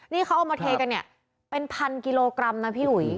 นี่เขาเอามาเทกันน่ะเป็น๑๐๐๐กิโลกรัมนะพี่หวย